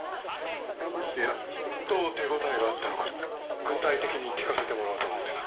いやどう手応えがあったのか具体的に聞かせてもらおうと思ってな。